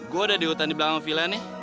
gue udah di hutan di belakang villa nih